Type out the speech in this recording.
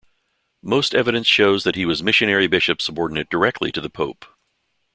Most evidence shows that he was missionary bishop subordinate directly to the Pope.